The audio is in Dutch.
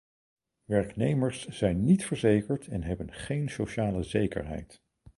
Werknemers zijn niet verzekerd en hebben geen sociale zekerheid.